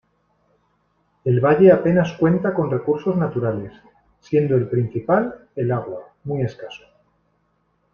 El valle apenas cuenta con recursos naturales, siendo el principal, el agua, muy escaso.